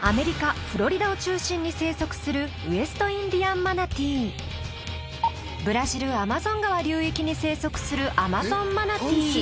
アメリカ・フロリダを中心に生息するウェストインディアンマナティーブラジルアマゾン川流域に生息するアマゾンマナティー